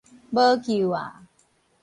無救矣